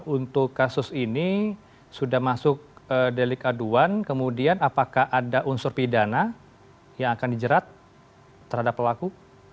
untuk kasus ini sudah masuk delik aduan kemudian apakah ada unsur pidana yang akan dijerat terhadap pelaku